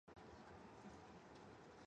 He feels helpless.